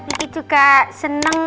miki juga seneng